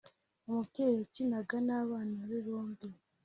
umubyeyi yakinaga n'abana be bombi